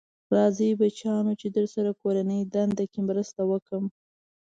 راځی بچیانو چې درسره کورنۍ دنده کې مرسته وکړم.